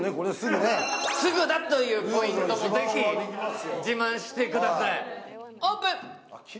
すぐだというポイントもぜひ自慢してください。